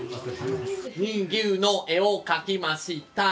乳牛の絵を描きました。